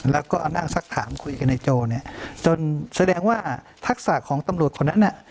แล้วก็นั่งสักถามคุยกับนายโจเนี่ยจนแสดงว่าทักษะของตำรวจคนนั้นน่ะ